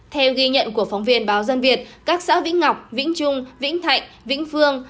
theo ghi nhận của phóng viên báo dân việt các xã vĩnh ngọc vĩnh trung vĩnh thạnh vĩnh phương